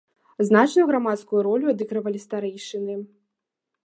Значную грамадскую ролю адыгрывалі старэйшыны.